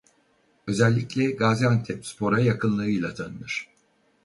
Özellikle Gaziantepspor'a yakınlığıyla tanınır.